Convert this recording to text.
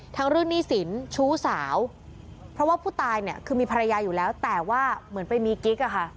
เรื่องหนี้สินชู้สาวเพราะว่าผู้ตายเนี่ยคือมีภรรยาอยู่แล้วแต่ว่าเหมือนไปมีกิ๊กอะค่ะ